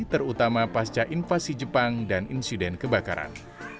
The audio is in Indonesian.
terutama pasca invasi jepang dan insiden kebakaran